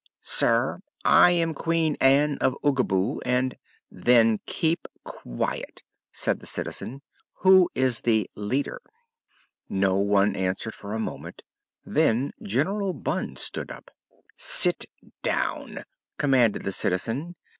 "Sir, I am Queen Ann of Oogaboo, and " "Then keep quiet," said the Citizen. "Who is the leader?" No one answered for a moment. Then General Bunn stood up. "Sit down!" commanded the Citizen.